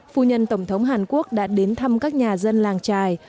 phu nhân tổng thống hàn quốc đã đến thăm các nhà dân làng trài